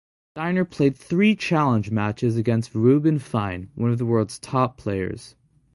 Steiner played three challenge matches against Reuben Fine, one of the world's top players.